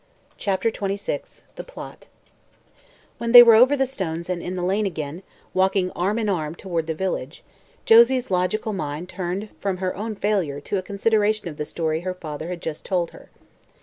CHAPTER XXVI THE PLOT When they were over the stones and in the lane again, walking arm in arm toward the village, Josie's logical mind turned from her own failure to a consideration of the story her father had just told her.